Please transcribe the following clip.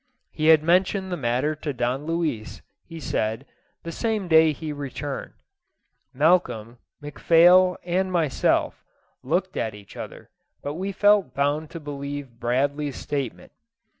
He had mentioned the matter to Don Luis, he said, the same day he returned. Malcolm, McPhail, and myself, looked at each other, but we felt bound to believe Bradley's statement.